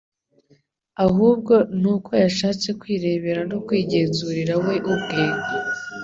Ahubwo ni uko yashatse kwirebera no kwigenzurira we ubwe,